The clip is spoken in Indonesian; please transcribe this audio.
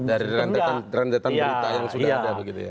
dari rentetan berita yang sudah ada